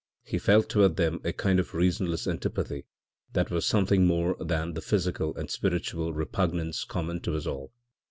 He felt toward them a kind of reasonless antipathy that was something more than the physical and spiritual repugnance common to us all.